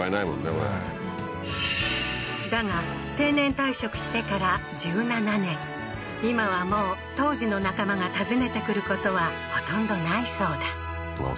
これだが定年退職してから１７年今はもう当時の仲間が訪ねてくることはほとんどないそうだあ